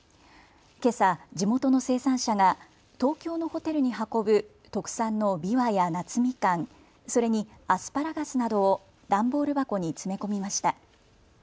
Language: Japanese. けさ地元の生産者が東京のホテルに運ぶ特産のびわや夏みかん、それにアスパラガスなどを段ボール箱に詰め込みました。